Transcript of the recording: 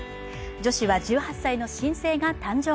女子は１８歳の新星が誕生。